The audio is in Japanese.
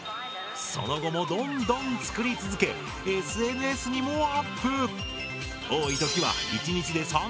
その後もどんどん作り続けＳＮＳにもアップ！